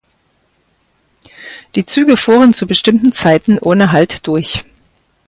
Die Züge fuhren zu bestimmten Zeiten ohne Halt durch.